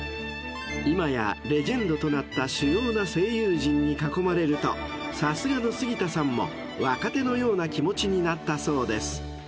［今やレジェンドとなった主要な声優陣に囲まれるとさすがの杉田さんも若手のような気持ちになったそうです］